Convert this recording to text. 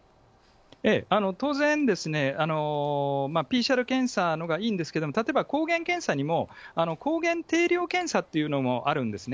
ええ、当然ですね、ＰＣＲ検査のほうがいいんですけども、例えば抗原検査にも、抗原定量検査っていうのもあるんですね。